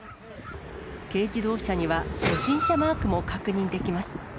軽自動車には、初心者マークも確認できます。